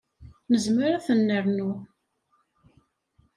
Nezmer ad ten-nernu.